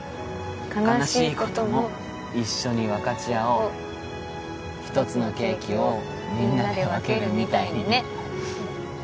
「かなしいこともいっしょにわかちあおう」「ひとつのケーキをみんなでわけるみたいにね」